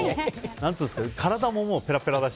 体ももうペラペラだし。